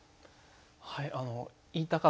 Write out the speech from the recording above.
はい。